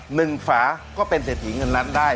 หนึ่งฝาก็เป็นเศษฐีเงินนั้นได้